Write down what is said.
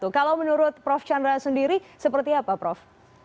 kalau menurut prof chandra sendiri seperti apa prof